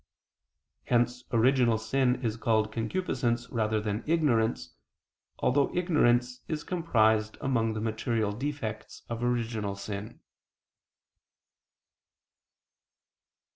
Hence original sin is called concupiscence rather than ignorance, although ignorance is comprised among the material defects of original sin.